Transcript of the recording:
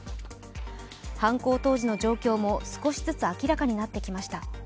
犯行当時の状況も少しずつ明らかになってきました。